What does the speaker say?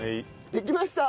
できました。